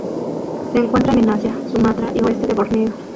Se encuentran en Asia: Sumatra y oeste de Borneo.